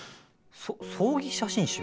そ葬儀写真集？